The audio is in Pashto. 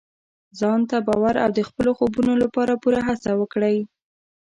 ځان ته باور او د خپلو خوبونو لپاره پوره هڅه وکړئ.